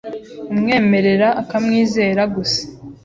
umwemerera ukamwizera gusa